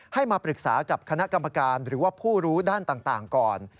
ให้มาปรึกษากับคณะกรรมการหรือว่าผู้รู้ด้านต่างก่อน